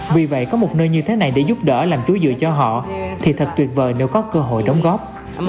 vì vậy có một nơi như thế này để giúp đỡ làm chúa dừa cho họ thì thật tuyệt vời nếu có cơ hội đóng góp